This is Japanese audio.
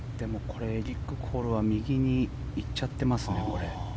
エリック・コールは右に行っちゃってますね。